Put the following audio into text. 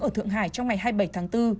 ở thượng hải trong ngày hai mươi bảy tháng bốn